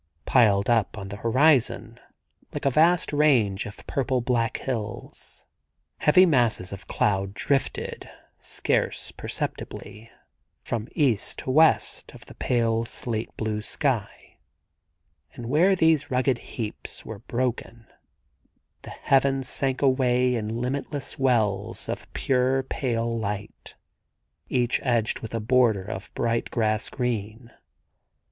Piled up on the horizon, like a vast range of purple black hills, heavy masses of cloud drifted, scarce perceptibly, from east to west of the pale slate blue sky ; and where these rugged heaps were broken the heavens sank away in Umitless wells of pure pale light, each edged with a border of bright grass green.